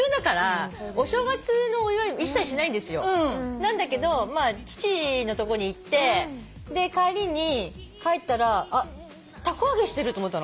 なんだけど父のとこに行って帰りに帰ったらたこ揚げしてると思ったの。